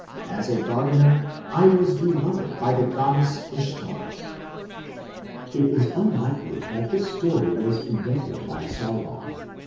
As a gardener, I was beloved by the goddess Ishtar." It is unlikely that this story was invented by Sargon.